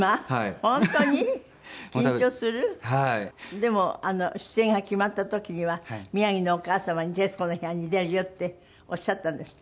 でも出演が決まった時には宮城のお母様に『徹子の部屋』に出るよっておっしゃったんですって？